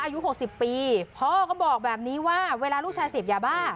อายุหกสิบปีพ่อก็บอกแบบนี้ว่าเวลาลูกชายเสพยาบ้า